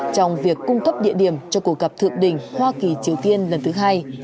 trong việc cung thấp địa điểm cho cuộc gặp thượng đình hoa kỳ triều tiên lần thứ hai